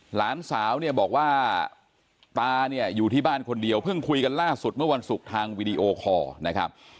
หลานสาวเนี่ยบอกว่าตาเนี่ยอยู่ที่บ้านคนเดียวเพิ่งคุยกันล่าสุดเมื่อวันศุกร์ทางวีดีโอคอร์นะครับ